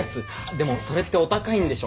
でもそれってお高いんでしょ？